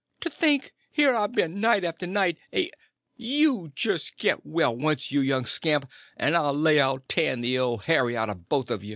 To think, here I've been, night after night, a—you just get well once, you young scamp, and I lay I'll tan the Old Harry out o' both o' ye!"